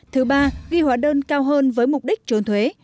thứ ba ghi hóa đơn cao hơn với mục đích trốn thuế